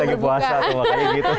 lagi puasa tuh makanya gitu